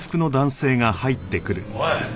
おい！